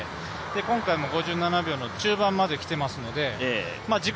今回も５７秒中盤まできていますので自己